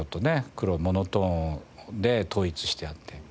黒モノトーンで統一してあって。